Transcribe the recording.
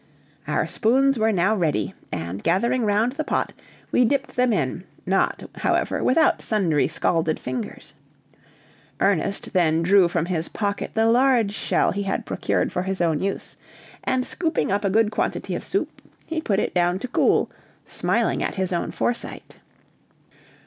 Our spoons were now ready, and gathering round the pot we dipped them in, not, however, without sundry scalded fingers. Ernest then drew from his pocket the large shell he had procured for his own use, and scooping up a good quantity of soup he put it down to cool, smiling at his own foresight.